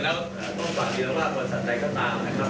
มันแสดงว่าทัศน์ใดก็ตามนะครับ